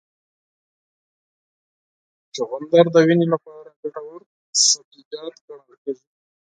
چغندر د وینې لپاره ګټور سبزیجات ګڼل کېږي.